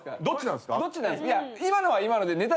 どっちなんすか？